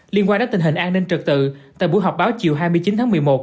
liên quan đến tình hình an ninh trật tự tại buổi họp báo chiều hai mươi chín tháng một mươi một